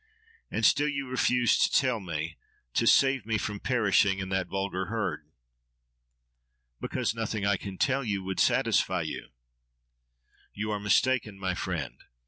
—And still you refuse to tell me, to save me from perishing in that 'vulgar herd.' —Because nothing I can tell you would satisfy you. —You are mistaken, my friend!